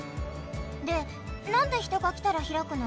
でなんでひとがきたらひらくの？